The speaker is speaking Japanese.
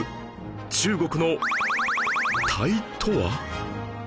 中国の隊とは？